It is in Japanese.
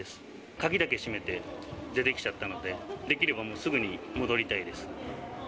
鍵だけしめて出てきちゃったので、できればすぐに戻りたいです。